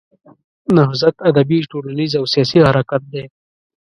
نهضت ادبي، ټولنیز او سیاسي حرکت دی.